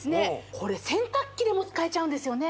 これ洗濯機でも使えちゃうんですよね